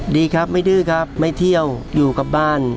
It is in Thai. ดีครับไม่ดื้อครับไม่เที่ยวอยู่กับบ้าน